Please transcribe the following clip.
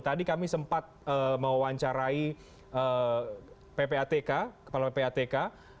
tadi kami sempat mewawancarai ppatk kepala ppatk